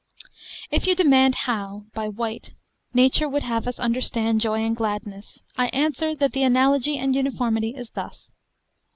If you demand how, by white, nature would have us understand joy and gladness, I answer, that the analogy and uniformity is thus.